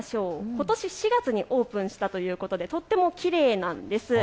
ことし４月にオープンしたということでとってもきれいなんです。